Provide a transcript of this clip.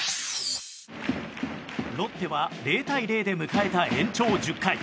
ロッテは０対０で迎えた延長１０回。